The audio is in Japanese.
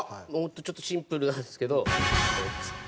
ちょっとシンプルなんですけど。